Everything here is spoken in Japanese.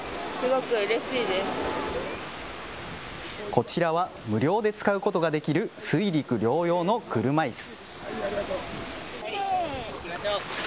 こちらは無料で使うことができる水陸両用の車いす。